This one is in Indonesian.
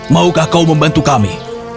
maukah kau membantu kami